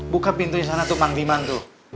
buka pintunya sana tuh mandiman tuh